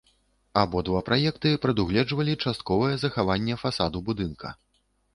Абодва праекты прадугледжвалі частковае захаванне фасаду будынка.